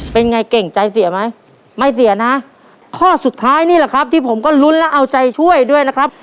เป็นไงเก่งใจเสียไหมไม่เสียนะข้อสุดท้ายนี่แหละครับที่ผมก็ลุ้นและเอาใจช่วยด้วยนะครับ